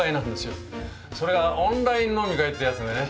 それがオンライン飲み会ってやつでね。